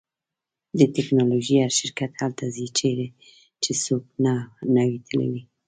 د ټیکنالوژۍ هر شرکت هلته ځي چیرې چې څوک نه وي تللی